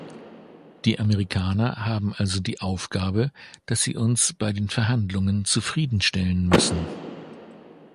Die Amerikaner haben also die Aufgabe, dass sie uns bei den Verhandlungen zufriedenstellen müssen.